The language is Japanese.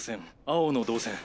青の導線